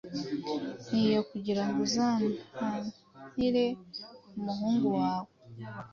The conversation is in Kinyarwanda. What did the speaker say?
ni iyo kugira ngo uzampanire umuhungu wawe